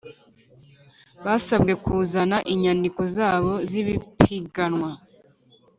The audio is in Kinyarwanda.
basabwe kuzana inyandiko zabo z ipiganwa